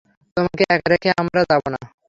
তোমাকে একা রেখে আমরা যাব না।